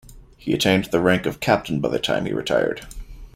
He attained the rank of captain by the time he retired.